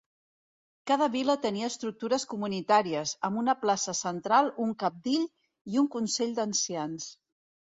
Cada vila tenia estructures comunitàries, amb una plaça central, un cabdill i un Consell d'Ancians.